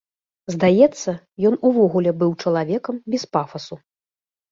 Здаецца, ён увогуле быў чалавекам без пафасу.